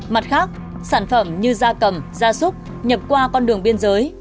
mặt khác sản phẩm như da cầm da súc nhập qua con đường biên giới